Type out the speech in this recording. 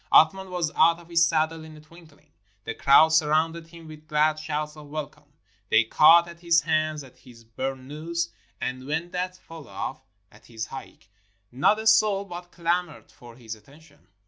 Athman was out of his saddle in a twinkUng. The crowd surrounded him with glad shouts of welcome. They caught at his hands — at his burnous — and, when that fell off, at his ha'ik. Not a soul but clamored for his attention.